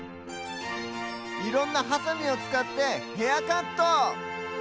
いろんなハサミをつかってヘアカット！